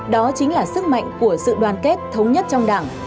đó chính là sức mạnh của sự đoàn kết thống nhất trong đảng